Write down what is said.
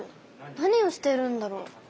何をしているんだろう？